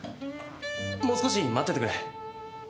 もう少し待っててくれ。